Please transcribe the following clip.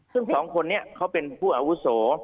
ซึ่งสองคนนี้เขาเป็นผู้อาวุโส